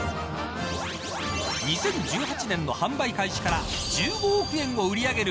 ２０１８年の販売開始から１５億円を売り上げる